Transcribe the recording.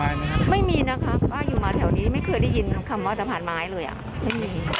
ไม่มีนะคะป้าอยู่มาแถวนี้ไม่เคยได้ยินคำว่าสะพานไม้เลยอ่ะไม่มี